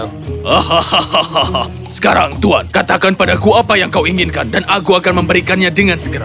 hahaha sekarang tuhan katakan padaku apa yang kau inginkan dan aku akan memberikannya dengan segera